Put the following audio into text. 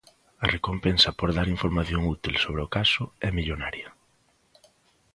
A recompensa por dar información útil sobre o caso é millonaria.